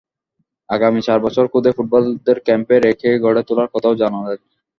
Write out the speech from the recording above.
আগামী চার বছর খুদে ফুটবলারদের ক্যাম্পে রেখে গড়ে তোলার কথাও জানালেন।